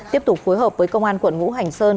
tiếp tục phối hợp với công an quận ngũ hành sơn